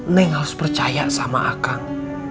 neng harus percaya sama akang